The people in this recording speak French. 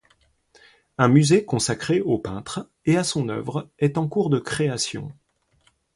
Un musée consacré au peintre et à son œuvre est en cours de création.